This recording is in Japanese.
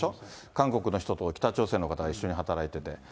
韓国の人と北朝鮮の方が一緒に働いていて。